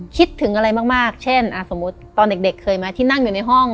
คิดถึงอะไรมากเช่นสมมุติตอนเด็กเคยไหมที่นั่งอยู่ในห้อง